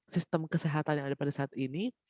sistem kesehatan yang ada pada saat ini